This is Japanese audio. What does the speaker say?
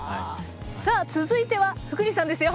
さあ続いては福西さんですよ。